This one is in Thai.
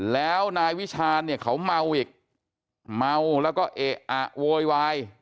แล้วนายวิชาณเนี่ยเขาเมาอีกเมาแล้วก็เอะอะโวยวาย